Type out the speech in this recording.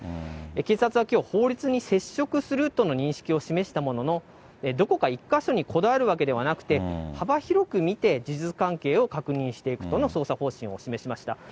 警察はきょう、法律に接触するとの認識を示したものの、どこか１か所にこだわるわけではなくて、幅広く見て事実関係を確認していくとの捜査方針を示しました。